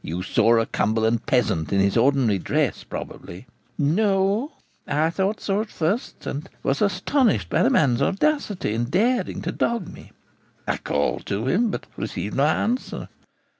'You saw a Cumberland peasant in his ordinary dress, probably.' 'No; I thought so at first, and was astonished at the man's audacity in daring to dog me. I called to him, but received no answer.